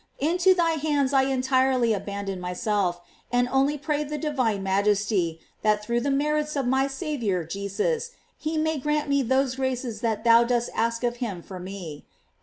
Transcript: Into thy hands I entirely abandon myself, and only pray the divine Majesty, that through the merits of my Saviour Jesus, he may grant me those graces that thou dost ask of him for me.